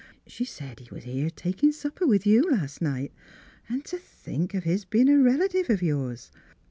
" She said he was here takin' supper with you last night. — An' to think of his bein' a relative of yours